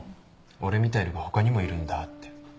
俺みたいのが他にもいるんだって。